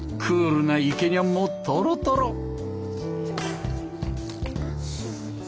クールなイケニャンもとろとろ。